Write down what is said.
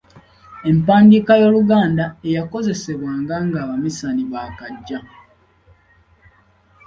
Empandiika y'Oluganda eyakozesebwanga nga Abaminsani baakajja.